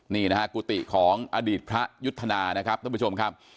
นี่นะฮะกุฏิของอดีตพระยุทธนานะครับท่านผู้ชมครับ